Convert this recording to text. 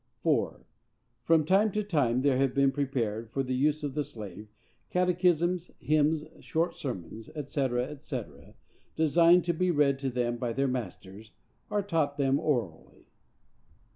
4. From time to time, there have been prepared, for the use of the slave, catechisms, hymns, short sermons, &c. &c., designed to be read to them by their masters, or taught them orally.